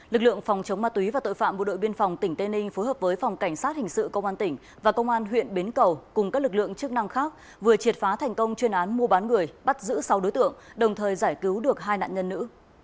lực lượng phòng chống ma túy và tội phạm bộ đội biên phòng tỉnh tây ninh phối hợp với phòng cảnh sát hình sự công an tỉnh và công an huyện bến cầu cùng các lực lượng chức năng khác vừa triệt phá thành công chuyên án mua bán người bắt giữ sáu đối tượng đồng thời giải cứu được hai nạn nhân nữ